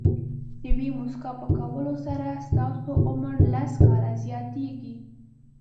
د یوې موسکا په کولو سره ستاسو عمر لس کاله زیاتېږي.